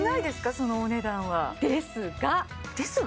そのお値段はですが「ですが」？